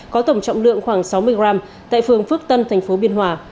có tổng trọng lượng khoảng sáu mươi gram tại phường phước tân tp biên hòa